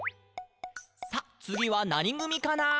「さあ、つぎはなにぐみかな？」